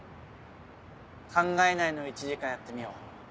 考えないのを１時間やってみよう。